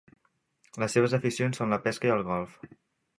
Les seves aficions són la pesca i el golf.